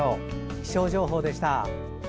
気象情報でした。